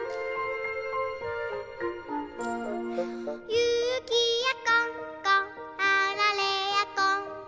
「ゆきやこんこあられやこんこ」